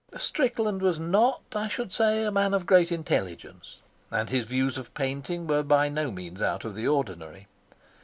Strickland was not, I should say, a man of great intelligence, and his views on painting were by no means out of the ordinary.